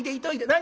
何？